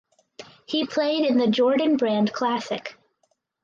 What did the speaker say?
He played in the Jordan Brand Classic.